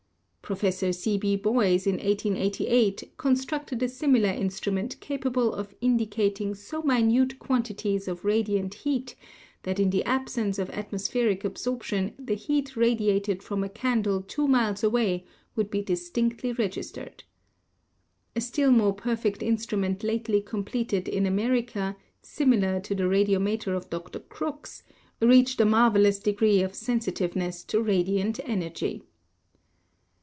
Prof. C. B. Boys in 1888 constructed a similar instrument capable of indicat ing so minute quantities of radiant heat that in the absence of atmospheric absorption the heat radiated from a can dle two miles away would be distinctly registered. A still more perfect instrument lately completed in America simi lar to the radiometer of Dr. Crookes reached a marvelous degree of sensitiveness to radiant energy.